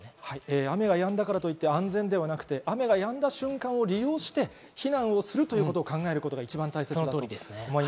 雨がやんだからといって安全ではなく、やんだ瞬間を利用して避難をするということを考えることが大切です。